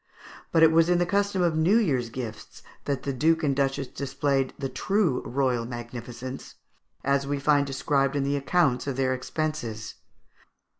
But it was in the custom of New Year's gifts that the duke and duchess displayed truly royal magnificence, as we find described in the accounts of their expenses.